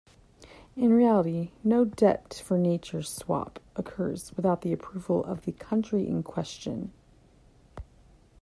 In reality, no debt-for-nature swap occurs without the approval of the country in question.